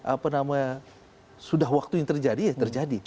apa namanya sudah waktu yang terjadi ya terjadi